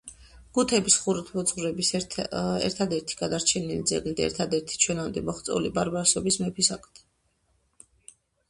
გუთების ხუროთმოძღვრების ერთადერთი გადარჩენილი ძეგლი და ერთადერთი ჩვენამდე მოღწეული ბარბაროსების მეფის აკლდამა.